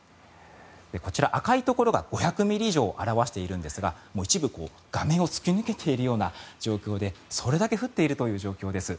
こちら、赤いところが５００ミリ以上を表しているんですが一部、画面を突き抜けているような状況でそれだけ降っているという状況です。